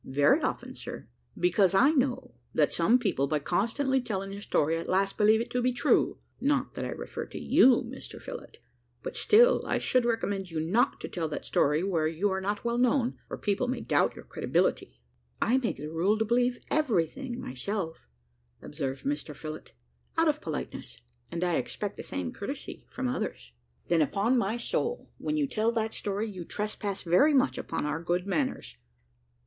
"Very often, sir." "Because I know that some people, by constantly telling a story, at last believe it to be true; not that I refer to you, Mr Phillott, but still I should recommend you not to tell that story where you are not well known, or people may doubt your credibility." "I make it a rule to believe everything myself," observed Mr Phillott, "out of politeness; and I expect the same courtesy from others." "Then, upon my soul! when you tell that story, you trespass very much upon our good manners.